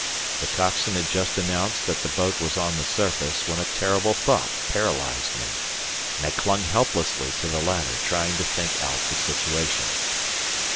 The coxswain had just announced that the boat was on the surface, when a terrible thought paralysed me, and I clung helplessly to the ladder trying to think out the situation.